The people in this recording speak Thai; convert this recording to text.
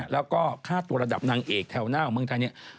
แล้วก็ค่าตัวระดับนางเอกแถวหน้าของเมืองไทยเนี่ย